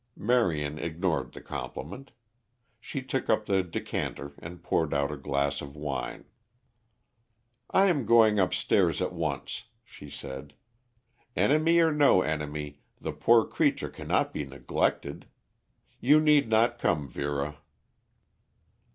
Marion ignored the compliment. She took up the decanter and poured out a glass of wine. "I am going upstairs at once," she said. "Enemy or no enemy, the poor creature cannot be neglected. You need not come, Vera."